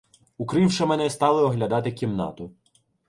Укривши мене, стали оглядати кімнату.